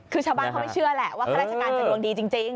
คือชาวบ้านเขาไม่เชื่อแหละว่าข้าราชการจะดวงดีจริง